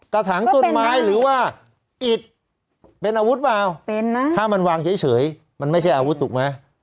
ถังต้นไม้หรือว่าอิดเป็นอาวุธเปล่าเป็นนะถ้ามันวางเฉยมันไม่ใช่อาวุธถูกไหม